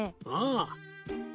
ああ。